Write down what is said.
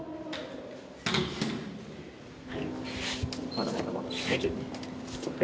まだまだまだ。